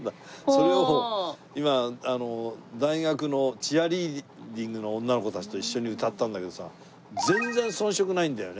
それを今大学のチアリーディングの女の子たちと一緒に歌ったんだけどさ全然遜色ないんだよね。